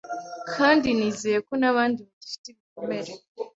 kandi nizeye ko n’abandi bagifite ibikomere